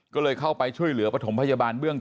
ก็เลยเข้าไปช่วยเหลือปฐมพยาบาลเบื้องต้น